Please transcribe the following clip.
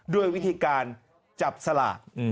ด้วยวิธีการจับสลาก